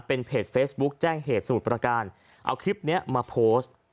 เป็นเพจเฟซบุ๊คแจ้งเหตุสมุทรประการเอาคลิปนี้มาโพสต์